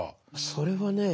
それはね